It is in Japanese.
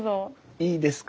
いいですか？